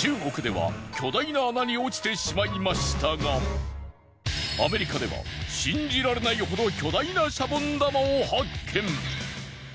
中国では巨大な穴に落ちてしまいましたがアメリカでは信じられないほど巨大なシャボン玉を発見。